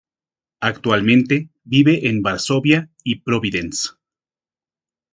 Actualmente vive en Varsovia y Providence.